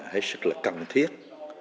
hết sức là cần thiết